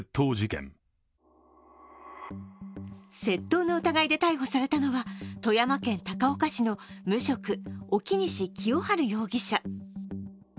窃盗の疑いで逮捕されたのは富山県高岡市の無職、沖西清春容疑者。